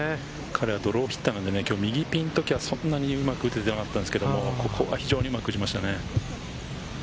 彼はドローヒッターなので、右ピンのときはうまく打てていなかったんですけど、ここは非常にうまく打ちましたね。